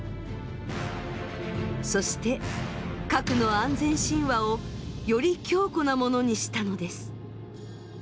そして核の安全神話をより強固なものにしたのです。